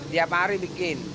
tiap hari bikin